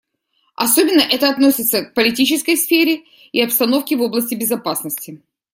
Особенно это относится к политической сфере и обстановке в области безопасности.